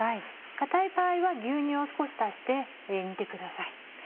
硬い場合は牛乳を少し足して煮てください。